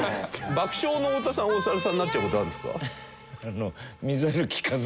爆笑の太田さんはお猿さんになっちゃう事あるんですか？